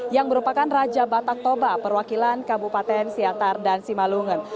yang merupakan raja batak toba perwakilan kabupaten siatar dan simalungun